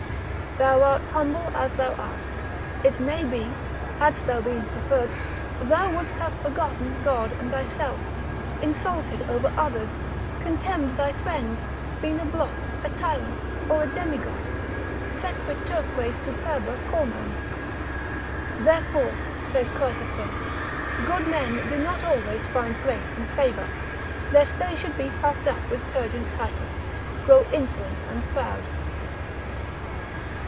Thou art humble as thou art, it may be; hadst thou been preferred, thou wouldst have forgotten God and thyself, insulted over others, contemned thy friends, been a block, a tyrant, or a demigod, sequiturque superbia formam: Therefore, saith Chrysostom, good men do not always find grace and favour, lest they should be puffed up with turgent titles, grow insolent and proud.